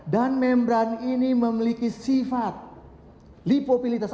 dan membran ini memiliki sifat lipopilitas